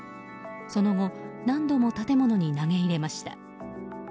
その後何度も建物に投げ入れました。